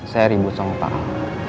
saya ribut sama pak el